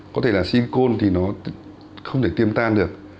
có thể là silicon thì nó không thể tiêm tan được